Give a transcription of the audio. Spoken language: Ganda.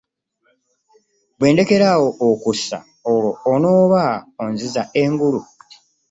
Bwendekerawo okussa olwo onoba onziza engulu .